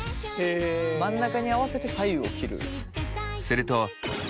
真ん中に合わせて左右を切る。